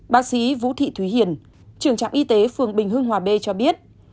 bác sĩ vũ thị thúy hiền trường trạm y tế phường bình hương hòa b cho biết